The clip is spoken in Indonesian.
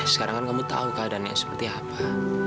sekarang kamu tahu keadaan yang seperti apa